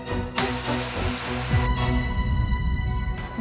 ingat lo butuh kerjaan ini